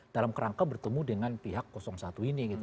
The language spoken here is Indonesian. dalam kerangka bertemu dengan pihak satu ini gitu